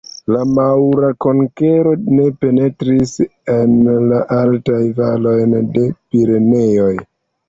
La maŭra konkero ne penetris en la altajn valojn de Pireneoj.